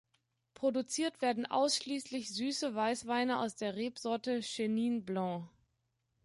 Produziert werden ausschließlich süße Weißweine aus der Rebsorte Chenin Blanc.